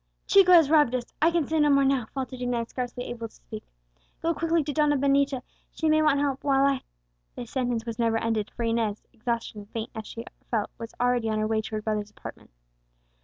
"Chico has robbed us I can say no more now!" faltered Inez, scarcely able to speak. "Go quickly to Donna Benita, she may want help, while I " The sentence was never ended; for Inez, exhausted and faint as she felt, was already on her way to her brother's apartment.